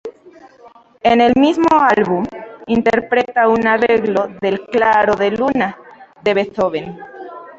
En el mismo álbum, interpreta un arreglo del "Claro de Luna" de Beethoven.